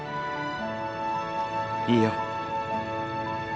いいよ。